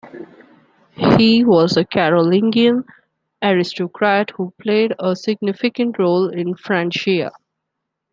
He was a Carolingian aristocrat who played a significant role in Francia.